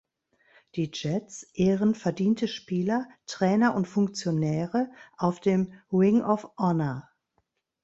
Die Jets ehren verdiente Spieler, Trainer und Funktionäre auf dem Ring of Honor.